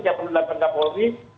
yang perlu dilakukan kapolri